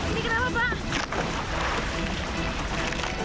ini kenapa pak